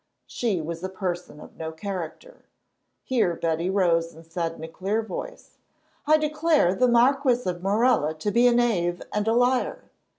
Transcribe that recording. She was a person of no character. Here Betty rose and said in a clear voice: "I declare the Marquis of Morella to be a knave and a liar.